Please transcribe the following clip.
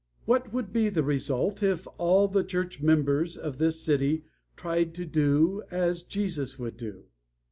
"What would be the result if all the church members of this city tried to do as Jesus would do?